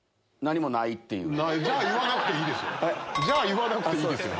じゃあ言わなくていいですよ。